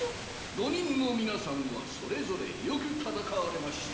５人の皆さんはそれぞれよく戦われました。